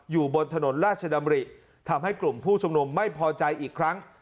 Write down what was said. อยู่บนถนนราชดำริทำให้กลุ่มผู้ชุมนุมไม่พอใจอีกครั้ง